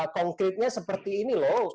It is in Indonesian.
konkretnya seperti ini loh